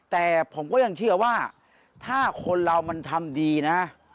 แต่ผมก็ยังเชื่อว่าถ้าคนเรามันทำดีนะ